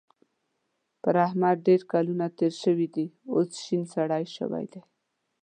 پر احمد ډېر کلونه تېر شوي دي؛ اوس شين سری شوی دی.